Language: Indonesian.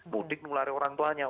mudik mengulangi orang tuanya